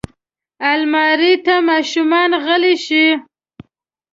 الماري ته ماشومان غله شي